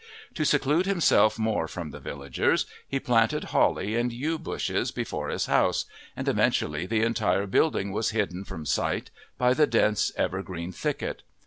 To seclude himself more from the villagers he planted holly and yew bushes before his house, and eventually the entire building was hidden from sight by the dense evergreen thicket.